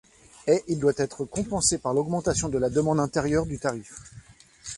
Et il doit être compensé par l'augmentation de la demande intérieure du tarif.